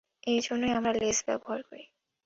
এ জন্যই আমরা লেজ ব্যবহার করি।